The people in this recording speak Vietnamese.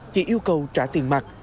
chị yêu cầu trả tiền mặt